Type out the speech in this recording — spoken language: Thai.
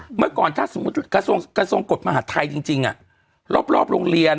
อ่าเมื่อก่อนถ้าสมมติกระทรวงกฎมหาธัยจริงจริงอ่ะรอบรอบโรงเรียน